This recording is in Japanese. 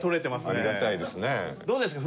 ありがたいですね。